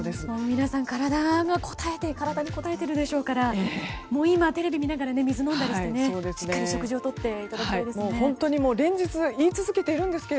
皆さん、体にこたえているでしょうからもう今テレビを見ながら水を飲んだりしてしっかり食事をとっていただきたいですね。